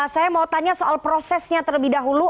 saya mau tanya soal prosesnya terlebih dahulu